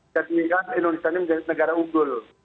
dan menjadikan indonesia ini menjadi negara unggul